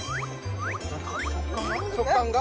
食感が？